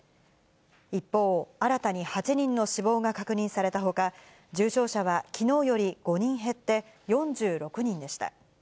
一方、新たに８人の死亡が確認されたほか、重症者はきのうより５人減って４６人でした。